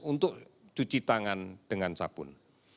untuk cuci tangan dengan sabun